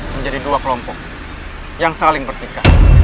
menjadi dua kelompok